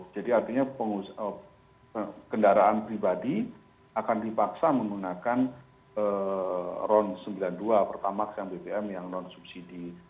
jadi artinya kendaraan pribadi akan dipaksa menggunakan ron sembilan puluh dua pertamax yang bpm yang non subsidi